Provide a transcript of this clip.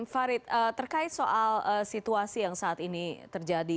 farid terkait soal situasi yang saat ini terjadi